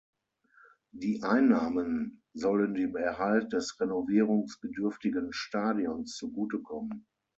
Die Einnahmen sollen dem Erhalt des renovierungsbedürftigen Stadions zugutekommen.